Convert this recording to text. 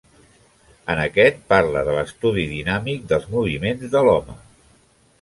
En aquest, parlà de l'estudi dinàmic dels moviments de l'home.